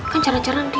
kan jarang jarang dia